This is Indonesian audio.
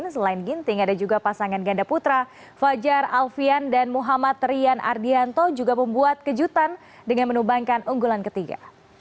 selain ginting ada juga pasangan ganda putra fajar alfian dan muhammad rian ardianto juga membuat kejutan dengan menubangkan unggulan ketiga